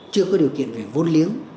chưa có điều kiện về vôn liếng